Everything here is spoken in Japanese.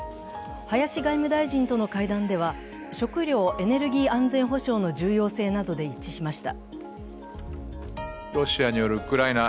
林外務大臣との会談では、食料・エネルギー安全保障の重要性などで一致しました。